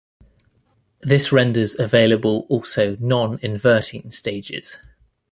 This renders available also non-inverting stages.